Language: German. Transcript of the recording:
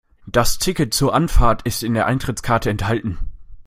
Das Ticket zur Anfahrt ist in der Eintrittskarte enthalten.